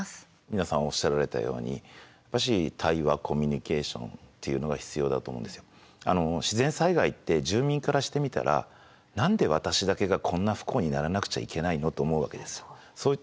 皆さんおっしゃられたようにやっぱしあの自然災害って住民からしてみたら何で私だけがこんな不幸にならなくちゃいけないのと思うわけですよ。